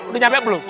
udah nyampe belum